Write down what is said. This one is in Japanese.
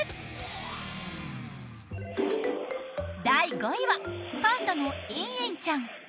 第５位はパンダの迎迎ちゃん。